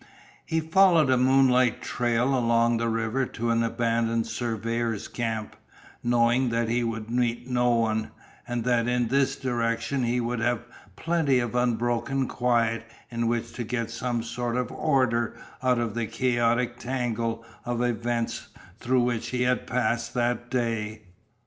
He followed a moonlit trail along the river to an abandoned surveyors' camp, knowing that he would meet no one, and that in this direction he would have plenty of unbroken quiet in which to get some sort of order out of the chaotic tangle of events through which he had passed that day.